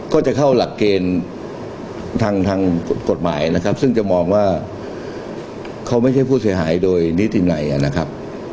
ก็จะเข้าหลักเกณฑ์ทางกฎหมายนะครับซึ่งจะมองว่าเขาไม่ใช่ผู้เสียหายโดยนิติมไหนนะครับ